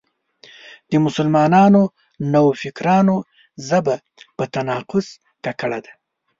د مسلمانو نوفکرانو ژبه په تناقض ککړه وي.